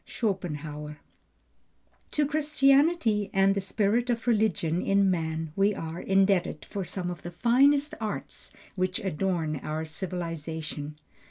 SCHOPENHAUER. To Christianity and the spirit of religion in man we are indebted for some of the finest arts which adorn our civilization.